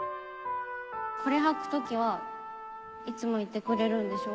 これ履く時はいつもいてくれるんでしょ？